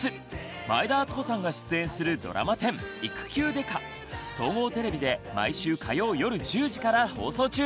前田敦子さんが出演するドラマ１０総合テレビで毎週火曜夜１０時から放送中です！